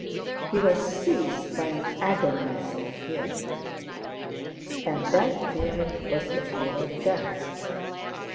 He was seized by an agonizing fear. And that fear was the fear of death.